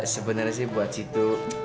sebenernya sih buat situ